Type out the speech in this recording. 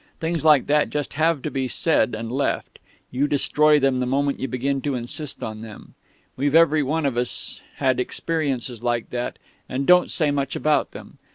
Things like that just have to be said and left; you destroy them the moment you begin to insist on them; we've every one of us had experiences like that, and don't say much about them.